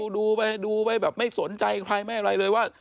ดูว่าดูว่าไม่สนใจใครว่า